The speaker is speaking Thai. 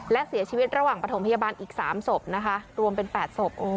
และเสียชีวิตระหว่างประถมพยาบาลอีก๓ศพนะคะรวมเป็น๘ศพ